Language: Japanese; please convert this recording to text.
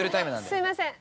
すいません。